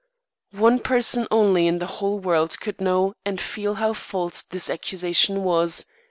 One person only in the whole world would know and feel how false this accusation was.